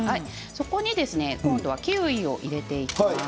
そこにキウイを入れていきます。